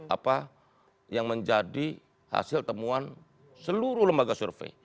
apa yang menjadi hasil temuan seluruh lembaga survei